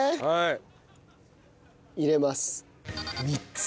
はい。